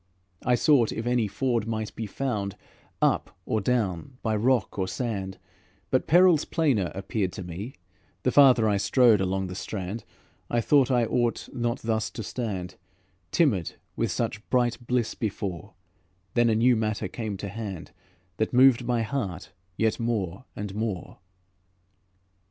I sought if any ford might be Found, up or down, by rock or sand; But perils plainer appeared to me, The farther I strode along the strand; I thought I ought not thus to stand Timid, with such bright bliss before; Then a new matter came to hand That moved my heart yet more and more.